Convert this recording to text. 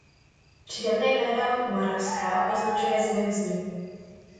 Přídavné jméno „moravská“ označuje zemi vzniku.